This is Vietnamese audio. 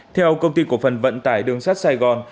theo công ty cổ phần vận tải đường sắt sài gòn